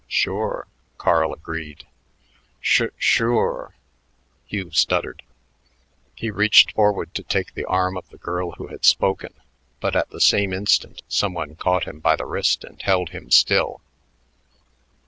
"Sure," Carl agreed. "Sh shure," Hugh stuttered. He reached forward to take the arm of the girl who had spoken, but at the same instant some one caught him by the wrist and held him still.